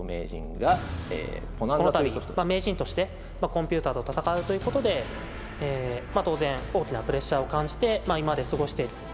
この度名人としてコンピューターと戦うということで当然大きなプレッシャーを感じて今まで過ごしてきた面はあります。